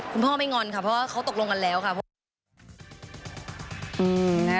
คุณพ่อไม่งอนค่ะเพราะว่าเขาตกลงกันแล้วค่ะเพราะว่า